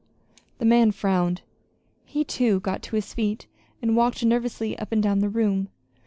The man frowned. He, too, got to his feet and walked nervously up and down the room.